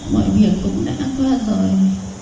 mọi việc cũng đã qua rồi